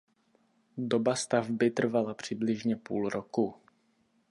Doba stavby trvala přibližně pouze půl roku.